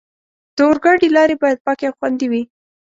د اورګاډي لارې باید پاکې او خوندي وي.